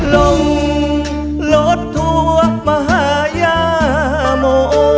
ลงรถทั่วมหายาโม